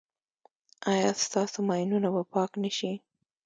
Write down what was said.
ایا ستاسو ماینونه به پاک نه شي؟